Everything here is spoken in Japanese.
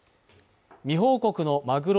未報告のマグロ